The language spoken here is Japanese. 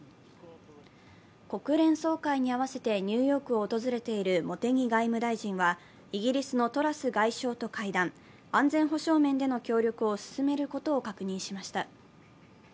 国連総会に合わせてニューヨークを訪れている茂木外務大臣はイギリスのトラス外相と会談、安全保障面での協力を進めることを確認しました。